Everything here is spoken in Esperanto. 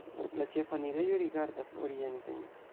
La ĉefa enirejo rigardas orienten.